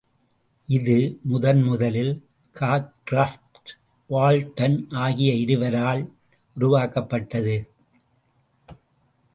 இது முதன்முதலில் Cockcroft, Walton ஆகிய இருவரால் உருவாக்கப்பட்டது.